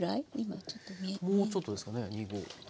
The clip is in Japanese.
もうちょっとですかね２合。